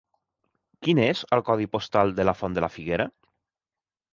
Quin és el codi postal de la Font de la Figuera?